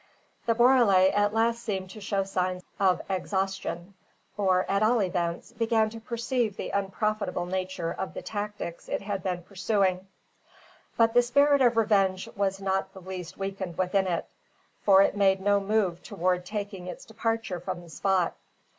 The borele at last seemed to show signs of exhaustion, or, at all events, began to perceive the unprofitable nature of the tactics it had been pursuing. But the spirit of revenge was not the least weakened within it, for it made no move toward taking its departure from the spot.